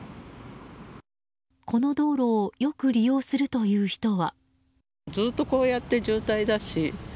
この道路をよく利用するという人は。